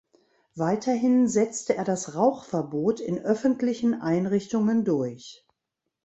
Weiterhin setzte er das Rauchverbot in öffentlichen Einrichtungen durch.